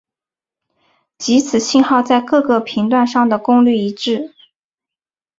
即此信号在各个频段上的功率一致。